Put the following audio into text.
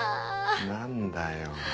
何だよ。